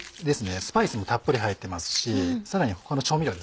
スパイスもたっぷり入ってますしさらに他の調味料